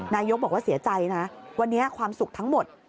นายกบอกว่าเสียใจนะวันนี้ความสุขทั้งหมด